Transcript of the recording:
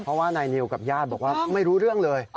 เพราะว่านายนิวกับญาติบอกว่าไม่รู้เรื่องเลย